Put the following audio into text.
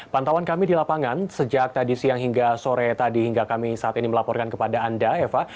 pantauan kami di lapangan sejak tadi siang hingga sore tadi hingga kami saat ini melaporkan kepada anda eva